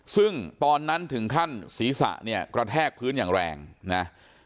ซึ่งตอนนั้นถึงขั้นศีรษะเนี่ยกระแทกพื้นอย่างแรงนะ